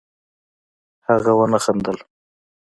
هغه ونه خندل